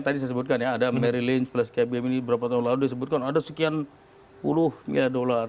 tadi saya sebutkan ya ada mary lens plus kbm ini berapa tahun lalu disebutkan ada sekian puluh miliar dolar